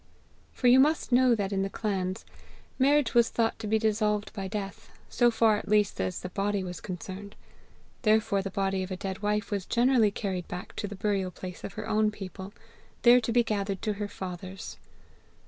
For you must know that in the clans, marriage was thought to be dissolved by death, so far at least as the body was concerned; therefore the body of a dead wife was generally carried back to the burial place of her own people, there to be gathered to her fathers.